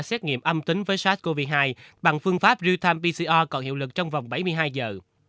xét nghiệm âm tính với sars cov hai bằng phương pháp real time pcr còn hiệu lực trong vòng bảy mươi hai giờ